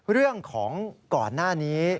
เรื่องของก่อนหน้านี้